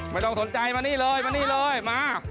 ไม่ต้องสนใจมานี่เลยมา